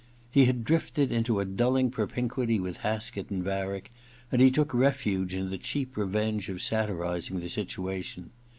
He had drifted into a dulling propinquity with Haskett and Varick and he took refuge in the cheap revenge of satirizing the situation.